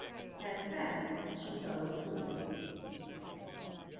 At that she fell asleep.